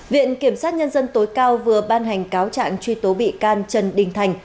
viện kiểm sát nhân dân tối cao vừa ban hành cáo trạng truy tố bị can trần đình thành